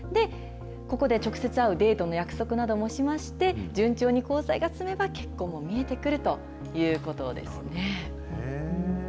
ここで直接会うデートの約束などもしまして、順調に交際が進めば、結婚も見えてくるということですね。